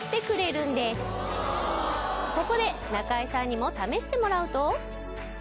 ここで中井さんにも試してもらうと。